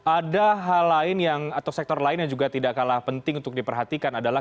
ada hal lain yang atau sektor lain yang juga tidak kalah penting untuk diperhatikan adalah